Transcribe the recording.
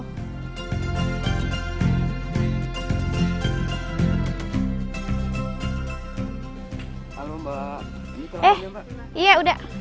halo mbak ini kelaminnya mbak